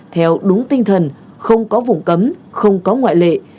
theo đúng tinh thần không có vùng cấm không có ngoại lệ